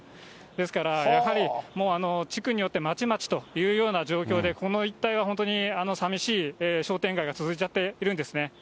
ですからやはり、地区によってまちまちというような状況で、この一帯は本当にさみしい商店街が続いちゃっているんですね。